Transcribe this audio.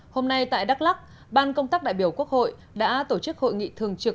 hôm nay tại đắk lắc ban công tác đại biểu quốc hội đã tổ chức hội nghị thường trực